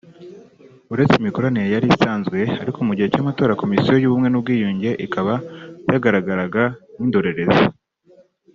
uretse imikoranire yari isanzwe ariko mu gihe cy’amatora Komisiyo y’Ubumwe n’Ubwiyunge ikaba yagaragaraga nk’indorerezi